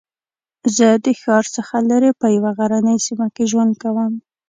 زه د ښار څخه لرې په یوه غرنۍ سېمه کې ژوند کوم